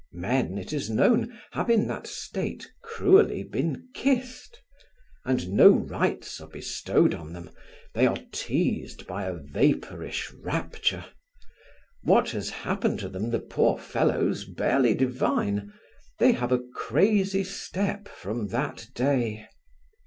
Men, it is known, have in that state cruelly been kissed; and no rights are bestowed on them, they are teased by a vapourish rapture; what has happened to them the poor fellows barely divine: they have a crazy step from that day.